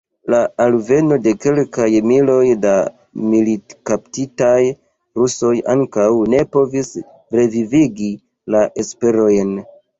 La alveno de kelkaj miloj da militkaptitaj rusoj ankaŭ ne povis revivigi la esperojn.